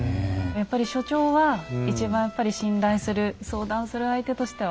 やっぱり所長は一番やっぱり信頼する相談する相手としては？